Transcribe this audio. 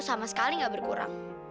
sama sekali gak berkurang